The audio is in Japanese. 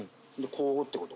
この辺ってこと？